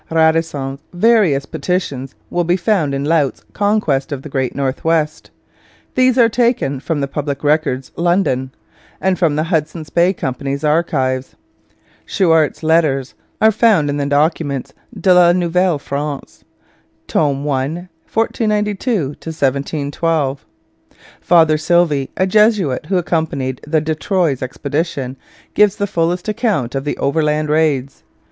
Radisson's various petitions will be found in Laut's Conquest of the Great North West. These are taken from the Public Records, London, and from the Hudson's Bay Company's Archives. Chouart's letters are found in the Documents de la Nouvelle France, Tome I 1492 1712. Father Sylvie, a Jesuit who accompanied the de Troyes expedition, gives the fullest account of the overland raids.